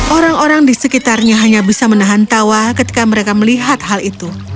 orang orang di sekitarnya hanya bisa menahan tawa ketika mereka melihat hal itu